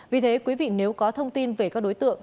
vì thế quý vị nếu có thông tin về các đối tượng